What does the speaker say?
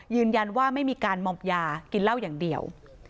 ยืนยันว่าไม่มีการมอมยากินเหล้าอย่างเดียว